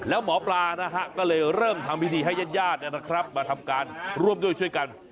แล้วหมอปลาก็เลยเริ่มทำวิธีให้ญาติมาทำการรวมด้วยช่วยกัน